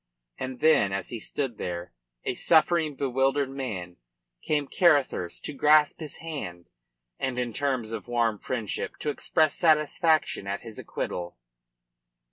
And then, as he stood there, a suffering, bewildered man, came Carruthers to grasp his hand and in terms of warm friendship to express satisfaction at his acquittal.